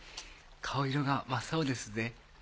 顔色が真っ青ですぜ。